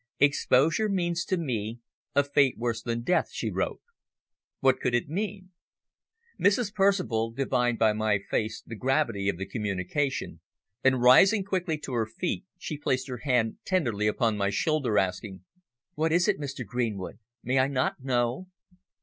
"Exposure means to me a fate worse than death," she wrote. What could it mean? Mrs. Percival divined by my face the gravity of the communication, and, rising quickly to her feet, she placed her hand tenderly upon my shoulder, asking "What is it, Mr. Greenwood? May I not know?"